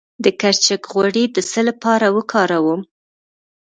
د کرچک غوړي د څه لپاره وکاروم؟